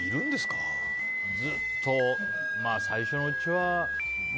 ずっとまあ最初のうちはね。